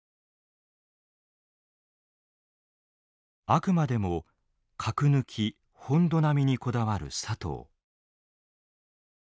あくまでも「核抜き・本土並み」にこだわる佐藤。